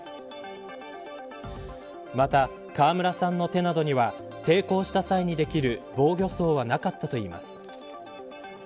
また、川村さんの手などには抵抗した際にできる防御創はなかったといいます。